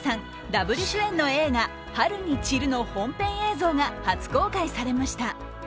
ダブル主演の映画「春に散る」の本編映像が初公開されました。